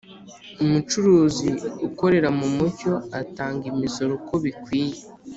Umucuruzi ukorera mu mucyo atanga imisoro uko bikwiye,